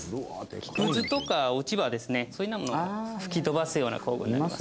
木くずとか落ち葉をですねそういうようなものを吹き飛ばすような工具になります。